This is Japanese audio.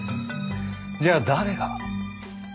じゃあ誰が？